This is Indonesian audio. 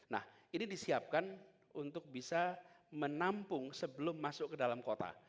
nah ini disiapkan untuk bisa menampung sebelum masuk ke dalam kota